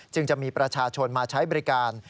จะมีประชาชนมาใช้บริการ